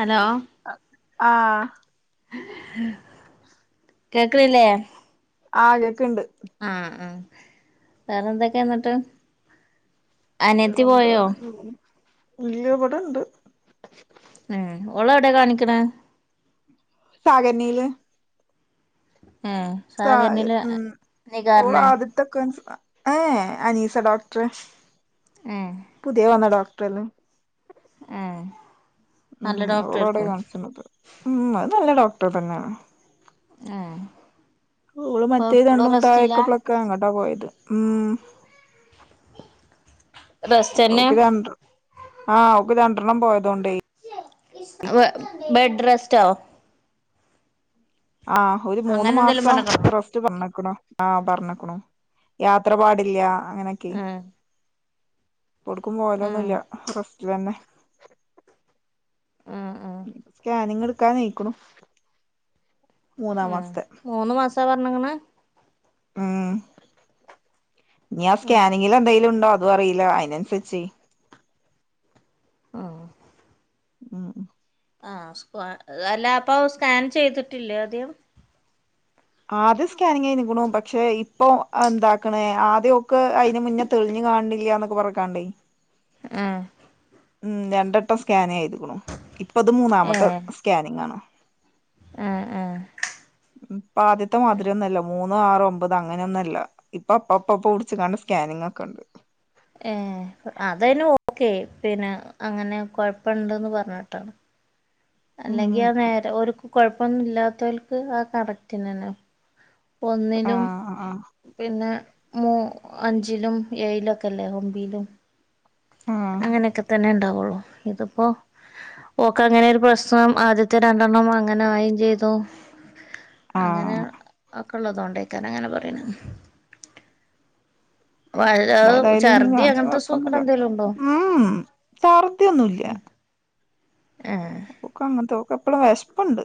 Hello ആഹ് കേക്ക്ണില്ലേ? ആ കേക്ക്ണ്ട് ആ ആ വേറെ എന്തൊക്കെ എന്നിട്ട് അനിയത്തി പോയോ ഇല്ല ഇവിടെ ണ്ട് ഉം ഓളെ എവിടെയാ കാണിക്കണ സാഗർണയില് ഉം [unintelligible] ഉം ഓള് ആദ്യത്തെക്കെ ന്ഫ ഏഹ് അനീസ്‌ ഡോക്ട് ടർ ഏഹ് പുതിയ വന്ന ഡോക്ടറെനും ഏഹ് ഉം നല്ല ഡോക്ടർ ഓളാടെ ആയിരിക്കും കാണിച്ചന്നത്. ഉം അത് നല്ല ഡോക്ടർ തന്നെ. ആഹ് ഓള് മറ്റേ രണ്ടും തായക് പ്ലൊക്ക അങ്ങോട്ടാ പോയത് ഉം റെസ്റ്റ് തന്നെ ഓക് രണ്ട് ആഹ് ഓക്ക് രണ്ടണ്ണം പോയതോണ്ട് വേ ബെഡ് റെസ്റ്റാ. ആഹ് ഒരു മൂന്ന് അങ്ങനെ എന്തെലും പറഞ്ഞേക്കണോ മാസംറസ് പറഞക്കാണോ ആഹ്‌ പറഞ്ഞക്കണോ യാത്ര പാടില്ല അങ്ങനൊക്കെ. ആഹ് ഓടുക്കും ആഹ് പോലലൊന്നുല്ല റസ്റ്റ്ലന്നെ. ആഹ് ആഹ് സ്കാനിങ് എടുക്കാനായിക്കണു മൂന്നാം മാസ്തേ ന്താ പറഞ്ഞക്കണ് ഉം ഇനി ആ ആഹ് സ്കാനിങ്ങിൽ എന്തെലും ഉണ്ടോ അതും അറിയില്ല അയിനനുസരിച്ച് ഓഹ് ഉം ഉം ആ സ്ക അല്ല അപ്പോ സ്കാൻ ചെയ്തിട്ടില്ലേ ആദ്യം ആദ്യം സ്കാനിങ്ങയിനക്കണു പക്ഷെ ഇപ്പൊ അന്താക്കണേ ആദ്യം ഓക് അയിന് മുന്നെ തെളിഞ്ഞു കാണില്ലാന്നക്ക് പറഞ്ക്കാണ്ടേ ആഹ് ഉം രണ്ടെട്ടം സ്കാന്യ്തുക്കണു ഇപ്പത് മൂന്നാമത്തെ ഏഹ് സ്കാനിങ് ആണ് ആഹ് ആഹ് ആദ്യത്തെ മാതിരിയൊന്നല്ല മൂന്ന് മൂന്നു ആറ് ഒമ്പത് അങ്ങനൊന്നല്ല ഇപ്പൊ അപ്പ അപ്പപ്പൊ ടിച്ച് കണ്ട സ്കാനിങ്‌ ഒക്കെ ഉണ്ട് ഏഹ് അതന് ഓക്കെ പിന്നെ അങ്ങനെ കൊഴപ്പുണ്ടന്ന് പറഞ്ഞിട്ട് ഉം അല്ലെങ്കി ആ നേരെ ഒരുക്ക് കൊഴപ്പൊന്നും ല്ലാത്തോൽക്ക് ആ കറക്റ്റനന്നെ ഒന്നിലും ആഹ് ആഹ് പിന്നെ മു അഞ്ചിലും ഏയി ലൊക്കെല്ലേ ഒമ്പീ ലും ആഹ് അങ്ങനെക്കെ തന്നെ ഇണ്ടാവുള്ളൂ ഇതിപ്പോ ഓക്കങ്ങനൊരു പ്രശ്നം ആദ്യത്തെ രണ്ടെണ്ണം അങ്ങനെ ആയും ചെയ്തു. അങ്ങനെ ആഹ് ഒക്കെള്ളതോണ്ടേക്കാരം അങ്ങനെ പറീ ണ് വല്ലൊ ഏതായാലും ഇനി ഛർദി കാണിച്ച അങ്ങനത്തെ സൂക്കട് കൊഴപ്പൊന്നുമില്ല ന്തെലും ണ്ടോ ഉം ഛർദിയൊന്നുമില്ല ഏഹ് ക്ക അങ്ങൻ ത്തെക് എപ്പളും വേഷ് പ്പ് ണ്ട്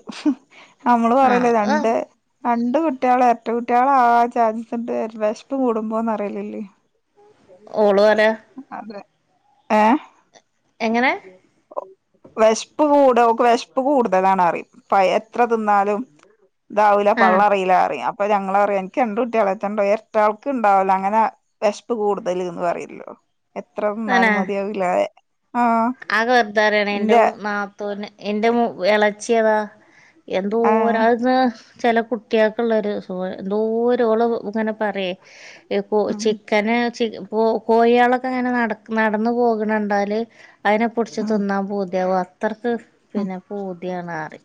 നമ്മള് പറയി ആഹ് ല്ലെ രണ്ട് അത് രണ്ട് കുട്ടികള് എരട്ട കുട്ടികളാൻ ചാൻസ്‌ണ്ട് വെശപ് കൂടുമ്പോന്നറിയാറിലില്ലെ ഓള് പറയാ അതെ ഏഹ്‌ എങ്ങനെ ഓഹ് വെശപ് കൂടുതൽ ഓക് വേശപ് കൂടുതലാണറിയും പ എത്ര തിന്നാലും ഇതാവൂ ല്ല ആഹ് പള്ളറീ ല്ല അറിയാം പ്പൊ ഞങ്ങളറിയും ക്ക് രണ്ട് കുട്ടിയ ലെറ്റെ ണ്ടോ എർട്ട ക ൾക്ക്ണ്ടാവുല്ല ങ്ങനെ വെ ഷ്പ്പ് കൂടുതല്ന്ന് പറയിള്ളൂ എത്ര തിന്നാലും മതിയാവുല്ലാ അത് വെറുതെപറണ് എൻറെ നാത്തൂന് എൻറെ ഇളച്ചിതാ എന്തോര ആഹ് അന് ചെല കുട്ടികൾക്കള്ളരു സ എന്തോരള് ഇങ്ങനെ പറയി ഇപ്പൊ ഉം ചിക്കന് ചിക്കൻ പോ കോഴയാളൊക്കെ ങ്ങനെ നട നടന്നു പോകണണ്ടാല് അയിനെ പുടിച്ച് ഉം തിന്നാൻ പൂതിയാവ അത്രയ്ക്ക് ഉം പിന്നെ പൂത്യാണ് റിം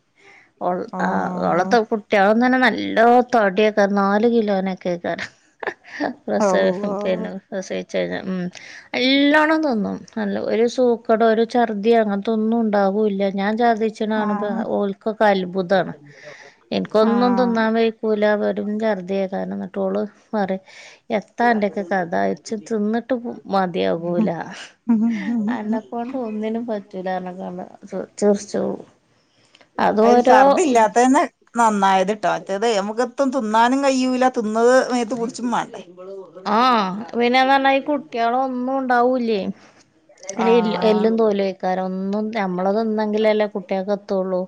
ആ ഓഹ് ഓളത്തെ കു കുട്ട്ളംന്നെ നല്ലോ തടിയൊക്കെ നാല് കിലോനെക്കെക്ക പ്രസ അള്ളാ പിന്നെ പ്രസവിച്ച് കഴിഞ്ഞാ ഉം എല്ലാണം തിന്നും നല്ല ഒര് സൂ ക്കടെ ഒര് ഛർദി അങ്ങനത്തൊന്നും ഉണ്ടാവൂല ഞാൻ ഛർദി ച്ച്ണ ആഹ് കാണുമ്പം ഓല്ക്കൊക്കെ അത്ഭുതാണ് എനിക്കൊന്നും ആഹ് തിന്നാൻ വയ് കൂല വെറും ഛർദിയാക്കാരം എന്നിട്ട് ഓള് പറയും എന്താ അന്റെയൊക്കെ കഥ ച്ച് തിന്നിട്ട് മതിയാകൂല അന്നെക്കൊണ്ട് [inaudible] ഒന്നിനും പറ്റൂലാർഞാണ്ട ചിർച്ചോളും അയ്ന് ശർദി ഇല്ലാത്തന്നെ നന്നായത്ട്ടോ മറ്റത് നമുക്കെത്തും തിന്നാനും കയ്യൂല്ല തിന്നത് മേത്ത് പ്ടിച്ചും മാണ്ടേ ആഹ് പിന്നെ റഞ്ഞാ ഈ കുട്ട്യെള് ഒന്നും ഉണ്ടാവൂലെ അയിന് എല്ലു ആഹ് എല്ലും തോലും അയ്ക്കാരം ഒന്നും ഞമ്മള് തിന്നങ്കിലല്ലേ കുട്ട്യേക്ക്‌ എത്തുള്ളൂ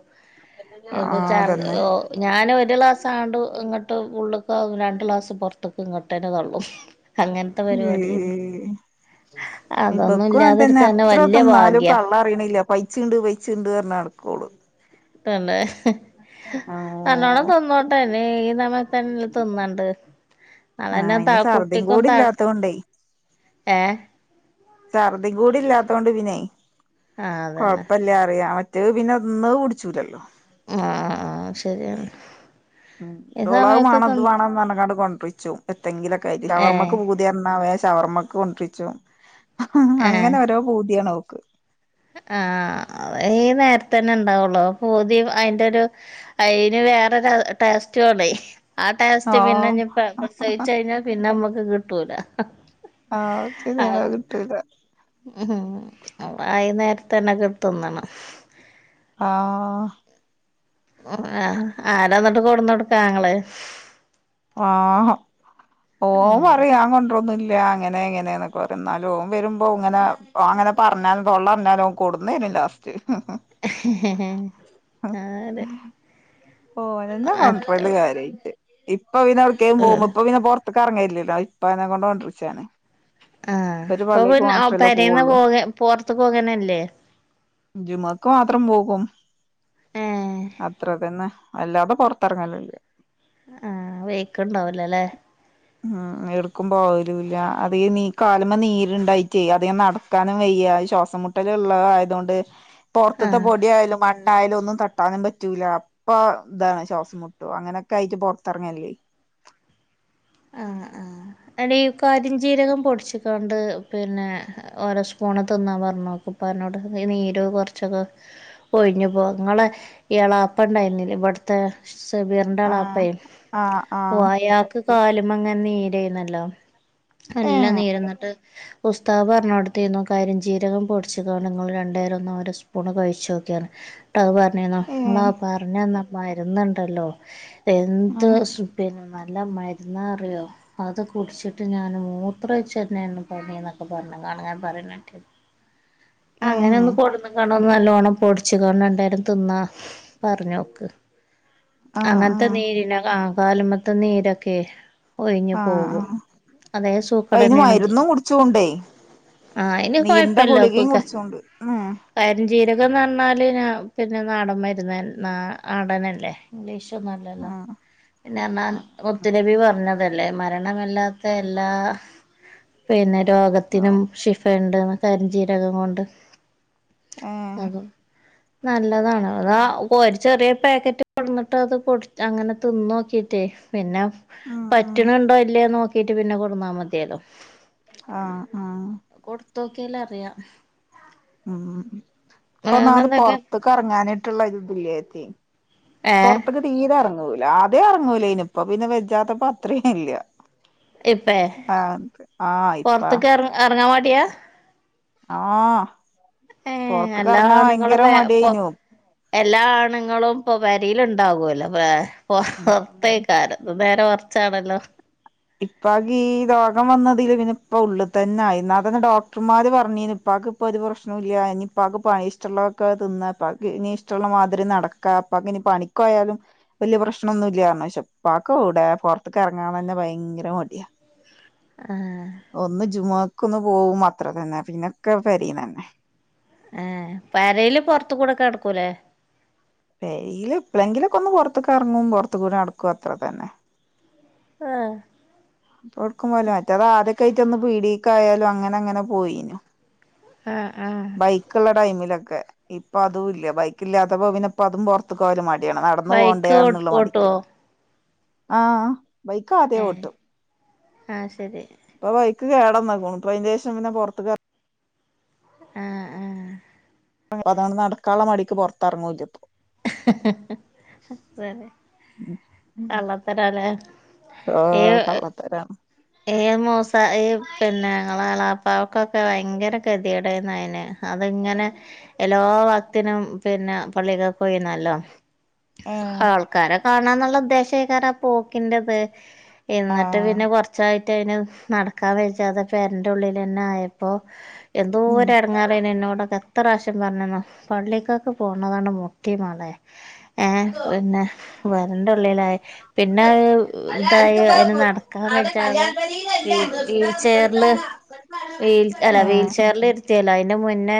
എപ്പ ആഹ് ചർ അതന്നെ ഒ ഞാൻ ഒര് ഗ്ലാസ് സാണ്ട് ഇങ്ങട്ട് ഉള്ള്ക്കവും രണ്ട് ഗ്ലാസ് പോറത്തക്ക് ഇങ്ങട്ടന്നെ തള്ളും അങ്ങൻ മം മം അതൊന്നും ഇബക്കും അങ്ങനെതന്നെ ഇല്ലാതിരിക്കന്നെ അത്ര വല്യ തിന്നാലും ഭാഗ്യാ പള്ളറയ്ണില്ല. പയ്ച്ച്ണ്ട് പയ്ച്ച്ണ്ട്ന്ന് പറഞ്ഞ് നടക്കോള് തന്നെ നല്ലോണം ഓഹ് തിന്നോട്ടെല്ലെ ഈ സമയത്തന്നെ തിന്നണ്ട് ആഹ് അതന്നെ ത അയിന് ഛർദിം കുട്ടിക്കും കൂടി ത ഇല്ലാത്തോണ്ടേ ഏ ഛർദികുടി ഇല്ലാത്തോണ്ട് പിന്നെ ആഹ് അതന്നെ കൊഴപ്പല്ല പറയാ മറ്റ റ്റത് പിന്നെ ന്നത് പുടിച്ചുലല്ലോ ആഹ് ആഹ് ശെരിയാണ്. ഉം ഡോളവ് മാണം ഇത് വാണം എന്ന് പറഞ്ഞിങ്ങാണ്ട് കൊണ്ട്രീച്ചും എത്തെങ്കിലൊക്കെയിട്ട് ഏ ഷവർമ്മക്ക് പൂ ദികൊർഞ്ഞാവെ ഷവർമ്മക്ക് കൊണ്ട്രീച്ചു ഏ അങ്ങനെ ഓരോ പൂതിയാണ് ഓക്ക്. ആഹ് ഈ നേരത്തന്നെ ണ്ടാവൊള്ളൂ പൂതി അയിന്റെഒര് അയ്ന് വേറൊരു ടേസ്റ്റുആണേ ആ ടേസ്റ്റ് ആഹ് പിന്നെനിപ പ്രസവിച്ച് കഴിഞ്ഞാ പിന്നെ അമ്മക്ക് കിട്ടൂല ആഹ് അത് ശെരിയാണ് അത്കിട്ടൂല ഉം വൈനേരത്തന്നെ ത് ന്നണം ആഹ് ആ ആരാന്നിട്ട് കൊട്ന്ന് കൊടുക്ക ആങ്ങളെ ആഹ് ഓൻ പറയും ഞാൻ കൊണ്ട്ര്ന്നുംല്ല അങ്ങനെ ഇങ്ങനെ ന്നൊക്കെ പറയും എന്നാല് ഓൻ വര്മ്പ ഇങ്ങനെ ഓ അങ്ങനെ പറഞ്ഞാലും തൊള്ളറഞ്ഞാലും കൊട്ന്നരും ലാസ്റ്റ് ആ അതെ ഓനന്നെ കോണ്ട്രല് കാര്യായിട്ട് ഇപ്പ പിന്നെ എവ്ട്ക്കെലും ഏഹ് പോമ്പോ ഇപ്പ പിന്നെ പൊ ഇപ്പ കറങ്ങലില്ലല്ലോ ഇപ്പനെകൊണ്ട് കൊണ്ട്രീച്ചാണ്. ആ ഇപ്പ പിന്നെ പേരെന്ന് പോവുള്ളൂ പോക പോറത്ത് പോകന്നെല്ലേ ജുമാക്ക് മാത്രം പോകും ഏഹ് അത്ര തന്നെ അല്ലതെ പൊറത്തെറങ്ങലില്ല ആഹ് വയ്ക്ക്‌ണ്ടാവ് ലലെ ഉം എട്ക്കും പോവലൂല്ല അത് നീ കാലിമ്മേ നീര്ണ്ടായിട്ടേ അധികം നട ക്കാനും വയ്യ ശ്വാസംമുട്ടല് ള്ളത് ആയതോണ്ട്. പൊറത്ത്ത്തെ ആഹ് പൊടിയാലും മണ്ണായാലും ഒന്നും തട്ടാനും പറ്റൂല. പ്പ ദാണ് ശ്വാസം മുട്ടും അങ്ങനെഒക്കായിട്ട് പൊറത്തെറങ്ങല്ലേ ആഹ് ആഹ് എടി കരിഞ്ചീരകം പൊടിച്ച്ക്കാണ്ട് പിന്നെ ഓരോ സ്പൂണ് തിന്നാൻ പറഞ്ഞു നോക്ക്‌ ഉപ്പനോട്‌ ഈ നീര് കൊറച്ചൊക്കെ പോയ്ഞ്ഞുപോ ങ്ങളെ ളാപ്പ ണ്ടായിന്നില്ലേ ഇവ്ടെ ത്തെ സബീറിന്റെ ആഹ് എളാപ്പയെ ആഹ് ഓ ആഹ് അയാക്ക് കാലുമങ്ങനെ നീരേന്നല്ലോ നല്ലാം ഏഹ് നീരന്നിട്ട് ഉസ്താദ് പറ്ഞ്ഞൊട്ത്തീന്നു കരിഞ്ചീരകം പൊടിച്ച്കാണ്ട് ഇങ്ങള് രണ്ടേരം ഒന്ന് ഓരോ സ്പൂണ് കഴിച്ചോക്യോന്ന് ട്ട അത് പർണീന്നു അള്ളാ ഏഹ് പർഞ്ഞന്നാ മര്ന്ന്ണ്ടല്ലോ എന്ത് ആഹ് സു പിന്നെ നല്ല മര്ന്നാറിയോ അത് കുടിച്ചിട്ട് ഞാൻ മൂത്രച്ചെന്നെയാണ് പണി ന്നൊക്കെ പറഞ്ഞ്കാണ്ട് ഞാൻ പറയ അങ്ങനൊന്ന് ഏഹ് കൊടന്ന്ങ്ങാണ്ട് ഒന്ന് നല്ലോണം പൊടിച്ച്കാണ്ട് രണ്ടേരം തിന്നാ പറഞ്ഞോക്ക് ആഹ് അങ്ങൻത്തെ ആഹ് നീരിന ആഹ് കാല്മത്തെ നീരൊക്കെ ആഹ് ഒഴിഞ്ഞ്പോകും ആഹ് അതേ ഇപ്പ അയിന് സൂക്കടെന്നെയാണ് ഇതി മരുന്നും കുടിച്ചോണ്ടേ ആഹ് ഐന് കൊയപ്പല്ലാെ ഈൻകുടിച്ചോണ്ട് എം കരിംജീരകംന്ന്റഞ്ഞാല് ഞാ പിന്നെ നാടൻ മരുന്ന് നാ നാടനല്ലേ ഇംഗ്ലീഷ് ന്നല്ലല്ലോ ആഹ് പിന്നെർഞ്ഞാ ആഹ് മുത്ത് നമ്പി പറഞ്ഞതല്ലേ ല്ലെ മരണമല്ലാത്ത എല്ലാ പിന്നെ രോഗത്തിനും ആഹ് ഷിഫണ്ട്ന്ന് കരിഞ്ചീരകം കൊണ്ട് ഏഹ് അതും നല്ലതാണ് അതാ ആഹ് ഇപ്പൊര് ചെറിയ പാക്കറ്റ് കൊട്ന്ന്ട്ട് അത് പൊടിച് അങ്ങനെ തിന്നോക്കീറ്റേ പിന്നെ ഉം ഉം പറ്റണെണ്ടോല്ലേന്ന് നോക്കിട്ട് പിന്നെ കൊടുന്നാ മതിയല്ലോ ആഹ് ആഹ് കൊടുത്തോക്കിയാലറിയാ ഉം ഉം പ്പൊ ന്നാല് പൊറത്ത്ക്കെറങ്ങാഞ്ഞിട്ട്ള്ള ഇത് ഇതില്ലെ ത്തി ഏഹ് പൊറത്ത്ക്ക് തീരെ എറങ്ങൂല ആദ്യേറങ്ങൂലേനി പ്പ പിന്നെ വെജാത്തപ്പം അത്രില്ല ഇപ്പേ ആത് ആ യിപ്പാ എറങ്ങാമടിയാ ആഹ് ഏഹ് പൊറത്ത്ക്ക് എല്ലാ എറങ്ങാൻ ആണുങ്ങളും ഭയങ്കര വേ പൊ മടിയേയ്നു എല്ലാ ആണ്ങ്ങളും ഇപ്പാെപെരീല് ഇണ്ടാവൊല്ലോ പ്റേ പൊറ് ഉം പൊർത്തൈക്കാരം നും നേരെമർച്ചാണല്ലോ ഇപ്പാക്ക് ഈ രോഗം വന്നതില് പിന്നെ ഇപ്പ ഉള്ള് തന്നായി ന്നാ തന്നെ ഡോക്ടർമാര് പറഞ്ഞീ ഇപ്പാക്ക് ഇപ്പൊരു പ്രശ്നൂല്യാ ഇഞ്ഞ് ഇപ്പാക്ക് പയേ ഇഷ്ടള്ളൊക്കെ തിന്നാ ഇപ്പാക്ക് ഇനി ഇഷ്ടള്ള മാതിരി നടക്കാ ഇപ്പാക്കിനി പണി ക്കോയാലും വല്ല്യ പ്രശ്നൊന്നുല്ലാർന്ക്ഷെ പ്പാക്കോടെ പുറത്ത്ക്കെറങ്ങാൻ തന്നെ ഭയ ങ്കര മടിയ ആ ഒന്ന് ജുമുഅക്കൊന്ന് പോവും അത്ര തന്നെ പിന്നെക്കെ പെരീനന്നെ ഏ പെരേല് പൊറത്ത്കൂടെക്കെ നടുക്കൂലേ? പെരേൽ എപ്പളെങ്കിലൊക്കെ ഒന്ന് പുറത്തുക്കെറങ്ങും പുറത്തേകൂടെനടക്കും അത്ര തന്നെ ആഹ് ഒടുക്കുംപോവൂല മറ്റേത് ആദ്യൊക്കെ ആയിട്ടൊന്ന് പീടീക്കായാലും അങ്ങനെങ്ങനെ പോയിനു ആ ആ ക്ക്ള്ള ടൈമിലൊക്കെ ഇപ്പൊ അതുല്ല ബൈക്കില്ലാത്തപ്പം പിന്നെ പ്പതും പൊർ ത്ത്ക്ക് ഒരു മടിയാണ് നടന്നു ബൈക്ക് ഓ പോണ്ടേന്നുള്ള ഓട്ടോ മടിക്ക് ആ ബൈക്ക് ആദ്യേ ഓട്ടും ആ ശരി ഇപ്പൊ ബൈക്ക് കേടന്നക്കുണു ഇപ്പ അയിന്റേശം പിന്നെ പുറത്ത്ക്ക് ആ ആഹ് അതാണ് നടക്കാള്ള മടിക്ക് പൊർത്തറങ്ങൂല്യപ്പോ ഹ് ഹ് ഹ് വേറെ കള്ളത്തരാല്ലേ ഏഹ് തരാം ഏ മൂസ ഈ പിന്നെ ങ്ങളെ എളാപ്പാക്കൊക്കെ ഭയങ്കര കെത്യേടായിരുന്നു അയിന് അവൻ ഇങ്ങനെ എല്ലോ വക്ത്തിനും പിന്നെ പള്ളിക്കക്കോയ്ന്നല്ലോ ഏഹ് ആൾക്കാരെ കാണാന്ന്ള്ള ഉദ്ദേശേക്കാരം ആഹ് പോക്കിന്റെത് എന്ന്ട്ട് ആഹ് പിന്നെ കാെറച് ച്ചായിട്ട് അയിന് നടക്കാൻ വജ്ഞാതെ പേരന്റെ ഉള്ളിലെന്നെ ആയപ്പോ ഉം എന്തോരെടങ്ങേറാ പെണ്ണിന്നോടൊക്കെ എത്ര പ്രാവശ്യം പറഞ്ഞന്നോ. പള്ളിക്കൊക്കെ പോണതാണ് മുട്ടി മോളെ. ഏഹ് പിന്നെ വരണ്ട് ഉള്ളിലായി. പിന്നെ ഏഹ് ഡയ അതിന് നടക്കാൻ പറ്റാതെ വീൽ വീൽ ചെയറില് വീൽ അല്ല വീൽ വീൽ ഏഹ് ചെയറിൽ ഇരുത്തിയല്ലോ. അതിന് മുന്നേ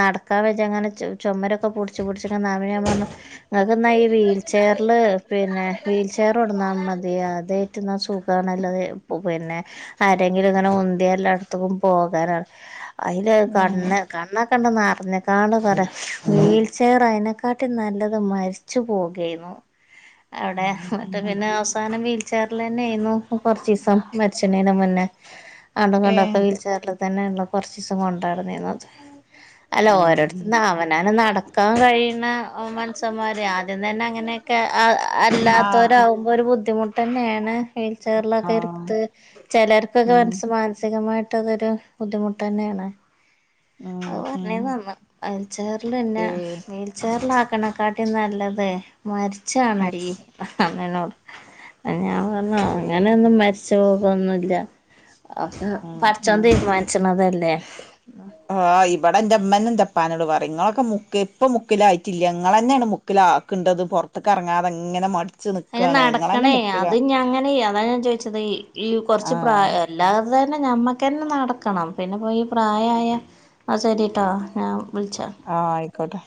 നടക്കാൻ വെച്ച അങ്ങനെ ചുമരൊക്കെ പൂടു [unintelligible] ഇങ്ങള്ക് എന്നാ ഈ വീൽ ചെയറില് പിന്നെ വീൽ ചെയർ കൊടു ന്നാൽ മതി അത്. [unintelligible] സുഖാണ് ല്ലത് പിന്നെ ആരെങ്കിലും ഇങ്ങനെ ഉന്തിയാ എല്ലായിടത്തക്കും പോകാനാ, അയിലെ കണ്ണ്, കണ്ണെക്കെ ആണ്ട് നറഞ്ഞനെക്കാളും പറ. വീൽചെയർ അയിനെക്കാട്ടിൽ നല്ലത് മരിച്ചു പോകയാരുന്നു. അവ്ടെ എന്നിട്ട് പിന്നെ അവസാനം വീൽചെയ്റിൽ ന്നെ ആയിരുന്നു. കുറച്ചിസം മരിച്ചണേനു മുന്നെ ആണ്ടും കണ്ടൊക്കെ ഏഹ് വീൽ ചെയറില്. തന്നെണല്ലോ കുറച്ചിസം കൊണ്ട് നടന്നെ ന്ന്‌. അല്ല ഏഹ് ഓരോത്തന്ന് അവനാന് നടക്കാൻ കഴിയുന്ന മനസന്മാര് ആദ്യം തന്നെ അങ്ങനെ. ക അ അ ആഹ് അല്ലാത്തവരാകുമ്പോ ഒരു ബുദ്ധിമുട്ട് തന്നെണ്. ആഹ് [unintelligible] ചിലർക്കൊക്കെ ഉം മനസ്സി മാനസികമായിട്ട് അതൊരു ബുദ്ധിമുട്ട് തന്നെയാണ്. ഉം അത് പറഞ്ഞ ഉം തന്ന്. അൽ ചെയറിൽ തന്നെ, ഏഹ് വീൽ ചെയറിൽ ആക്കണേക്കാട്ടി നല്ലതേ. അഹ് മരിച്ചാണടി [unintelligible] ഞാൻ പറഞ്ഞ്. ഏഹ് ന്നും മരിച്ചു പോകൊന്നില്ല. ഒക്കെ ആഹ് പടച്ചോൻ ആഹ് തീരുമാനിച്ചണതല്ലേ. ആഹ് ഇവിടെ എന്റെമ്മേന് എന്റുപ്പാനോട് പറയും. ഇങ്ങളൊക്കെ മുക്ക് ഇപ്പ മുക്കില് ആയിട്ടില്ല. ഇങ്ങള് തന്നെയാണ് മു [unintelligible] ഇണ്ടത് പൊറത്തേക്ക് എറങ്ങാതെ ഇങ്ങനെ മടി അതിന് നടക്കണേ. അത് ഞാ അങ്ങനെ അതാണ് ഞാൻ ചോദിച്ചത് ഈ കുറച്ച് പ്രാ ആഹ് എല്ലാസം തന്നെ ഞമ്മക്കന്നെ നടക്കണം. പിന്നെ പോയി പ്രായമായ ആ ശരിട്ടാ. ഞാൻ വിളിച്ചാ. ആഹ് ആയിക്കോട്ടെ.